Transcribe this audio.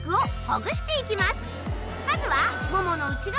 まずは。